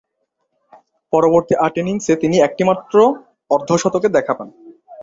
পরবর্তী আট ইনিংসে তিনি একটিমাত্র অর্ধ-শতকের দেখা পান।